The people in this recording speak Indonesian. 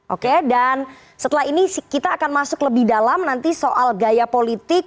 oke dan setelah ini kita akan masuk lebih dalam nanti soal gaya politik